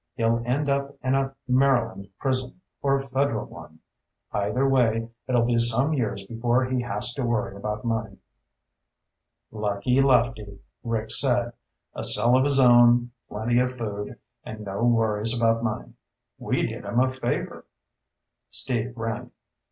He'll end up in a Maryland prison, or a Federal one. Either way, it'll be some years before he has to worry about money." "Lucky Lefty," Rick said. "A cell of his own, plenty of food, and no worries about money. We did him a favor." Steve grinned.